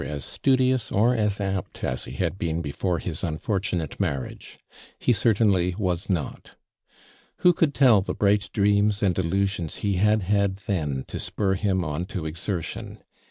'IS studious or as apt as he liad been before liis unfortunate marriage. lie certainly was not. Who could toll the bright dreams and illusions lie had had then to spur him on to exertion